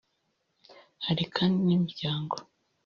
Hari kandi n’imiryango